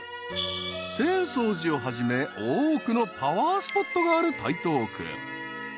［浅草寺をはじめ多くのパワースポットがある台東区］